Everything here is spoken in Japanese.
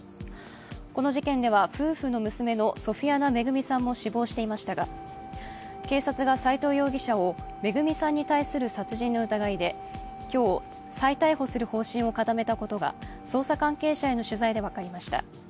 この事件では夫婦の娘のソフィアナ恵さんも死亡していましたが警察が斉藤容疑者を恵さんに対する殺人の疑いで今日、再逮捕する方針を固めたことが捜査関係者への取材で分かりました。